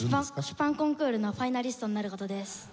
ショパンコンクールのファイナリストになる事です。